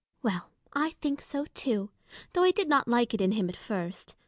Well, I think so too, though I did not like it in him at first.